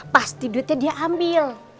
pasti duitnya dia ambil